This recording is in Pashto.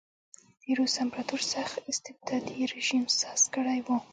د روس امپراتور سخت استبدادي رژیم ساز کړی و.